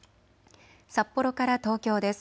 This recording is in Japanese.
札幌から東京です。